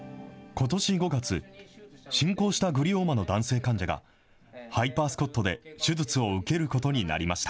ことし５月、進行したグリオーマの男性患者が、ハイパー・スコットで手術を受けることになりました。